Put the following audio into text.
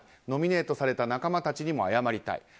ノミネートされた仲間たちにも謝りたい。